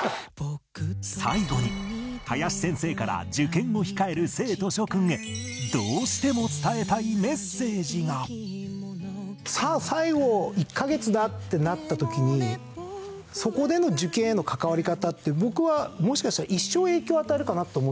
最後に林先生から受験を控える生徒諸クンへどうしても伝えたいメッセージがさあ最後１カ月だってなった時にそこでの受験への関わり方って僕はもしかしたら一生影響を与えるかなって思ってるんですよ。